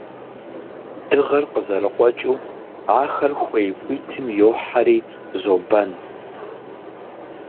Дыгъэр къызэрыкъуэкӀыу, ахэр хуей хуитым йохьэри зобэн.